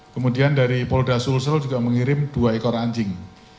kemudian dari polda sulsel juga mengirim dua ekor anjing